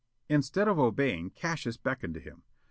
Instead of obeying Cassius beckoned to him.